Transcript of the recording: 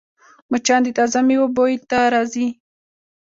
مچان د تازه میوو بوی ته راځي